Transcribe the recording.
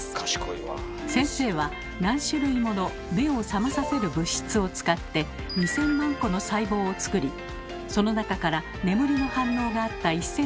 先生は何種類もの目を覚まさせる物質を使って２，０００万個の細胞を作りその中から眠りの反応があった１，０００個を分析。